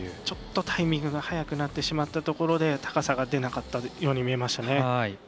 ちょっと、タイミングが早くなってしまったところで高さが出なかったように見えましたね。